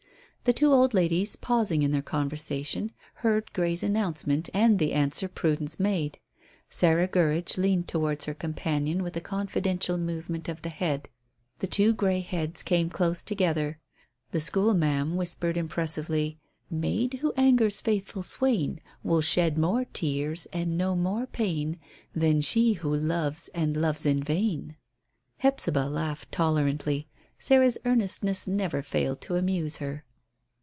The two old ladies pausing in their conversation heard Grey's announcement and the answer Prudence made. Sarah Gurridge leaned towards her companion with a confidential movement of the head. The two grey heads came close together. The school ma'am whispered impressively "'Maid who angers faithful swain Will shed more tears and know mere pain Than she who loves and loves in vain.'" Hephzibah laughed tolerantly. Sarah's earnestness never failed to amuse her.